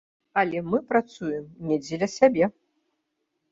Але мы працуем не дзеля сябе.